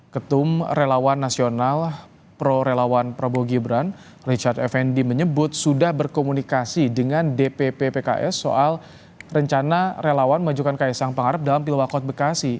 ketum relawan nasional pro relawan prabowo gibran richard effendi menyebut sudah berkomunikasi dengan dpp pks soal rencana relawan mengajukan kaisang pangarep dalam pilwakot bekasi